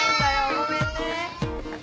ごめんね。